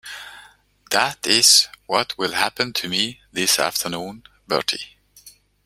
That is what will happen to me this afternoon, Bertie.